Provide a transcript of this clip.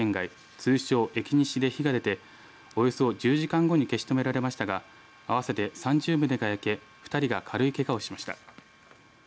通称エキニシで火が出ておよそ１０時間後に消し止められましたが合わせて３０棟が焼け２人が軽いけがをしました。